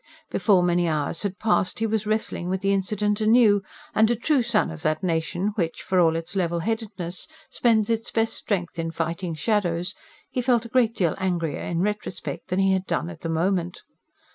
Before many hours had passed he was wrestling with the incident anew; and a true son of that nation which, for all its level headedness, spends its best strength in fighting shadows, he felt a great deal angrier in retrospect than he had done at the moment.